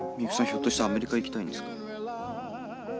ひょっとしてアメリカ行きたいんですか？